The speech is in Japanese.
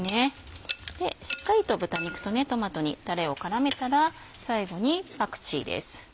しっかりと豚肉とトマトにタレを絡めたら最後にパクチーです。